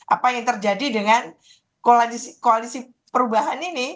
apa yang terjadi dengan koalisi perubahan ini